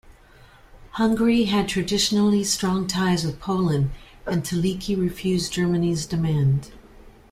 Hungary had traditionally strong ties with Poland, and Teleki refused Germany's demand.